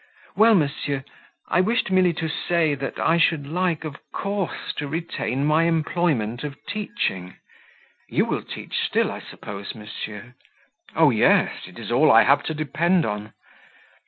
"Well, monsieur, I wished merely to say, that I should like, of course, to retain my employment of teaching. You will teach still, I suppose, monsieur?" "Oh, yes! It is all I have to depend on."